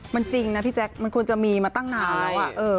มันจริงนะพี่แจ๊คมันควรจะมีมาตั้งนานแล้ว